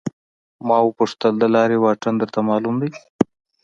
ما وپوښتل د لارې واټن درته معلوم دی.